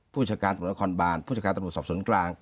ผู้จัดการตรวจตระดซบสวนกลาง